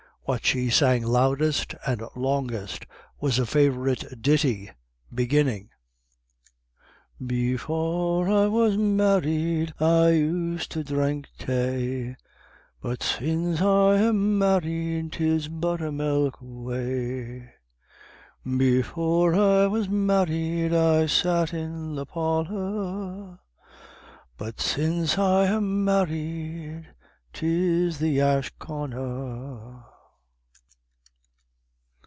What she sang loudest and longest was a favourite ditty beginning :" Before I was married, I used to dhrink tay, But since I am married, 'tis buttermilk whey ; Before I was married, I sat in the parlour, But since I am married, 'tis in the ash corner."